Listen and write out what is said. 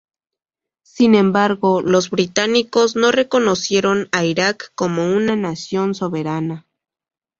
Sin embargo, los británicos no reconocieron a Irak como una nación soberana.